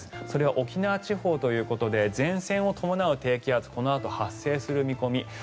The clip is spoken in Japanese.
それは沖縄地方ということで前線を伴う低気圧がこのあと発生する見込み。